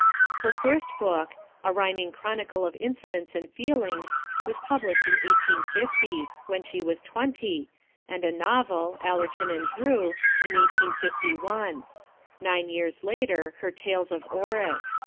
Her first book, A Rhyming Chronicle of Incidents and Feelings, was published in 1850, when she was twenty, and a novel, Allerton and Dreux, in 1851; nine years later her Tales of Orris.